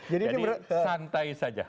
jadi santai saja